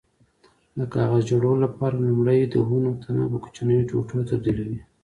د کاغذ جوړولو لپاره لومړی د ونو تنه په کوچنیو ټوټو تبدیلوي.